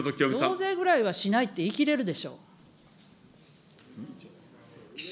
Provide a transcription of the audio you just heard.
増税ぐらいはしないって言い切れるでしょ。